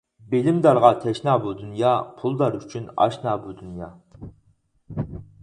بىلىمدارغا تەشنا بۇ دۇنيا، پۇلدار ئۈچۈن ئاشنا بۇ دۇنيا.